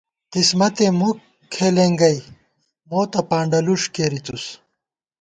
قِسمتے مُک کھېلېنگئ مو تہ پانڈہ لُݭ کېری تُس